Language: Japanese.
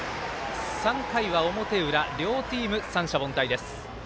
３回は表裏、両チーム三者凡退です。